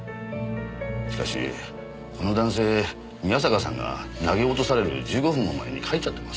しかしこの男性宮坂さんが投げ落とされる１５分も前に帰っちゃってますよ。